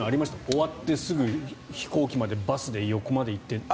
終わってすぐ、飛行機までバスで横まで行ってという。